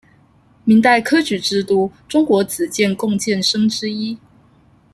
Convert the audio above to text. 明代科举制度中国子监贡监生之一。